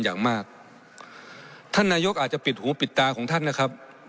อย่างมากท่านนายกอาจจะปิดหูปิดตาของท่านนะครับ